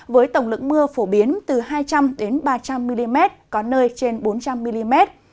với tổng lượng mưa phổ biến từ hai trăm linh ba trăm linh mm có nơi trên bốn trăm linh mm